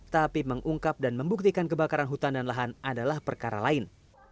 tapi mengungkap dan membuktikan kebakaran hutan dan lahan adalah perkara lain